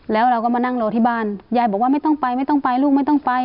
แล้วเราก็มานั่งรอที่บ้านยายบอกว่าไม่ต้องไปไม่ต้องไปลูกไม่ต้องไป